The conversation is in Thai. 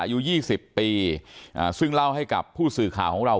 อายุ๒๐ปีซึ่งเล่าให้กับผู้สื่อข่าวของเรา